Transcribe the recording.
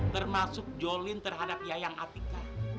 termasuk jolin terhadap yayang atika